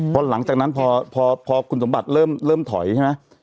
พอหลังจากนั้นพอคุณสมบัติเริ่มถอยใช่ไหม